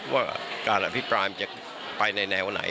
ว่าการอภิปรายมันจะไปในแนวไหน